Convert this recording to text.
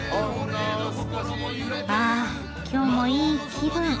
あ今日もいい気分。